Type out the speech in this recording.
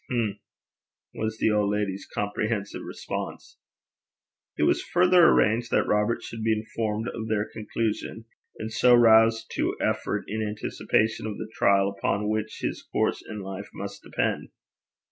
'Hm!' was the old lady's comprehensive response. It was further arranged that Robert should be informed of their conclusion, and so roused to effort in anticipation of the trial upon which his course in life must depend.